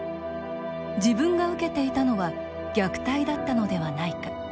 自分が受けていたのは虐待だったのではないか。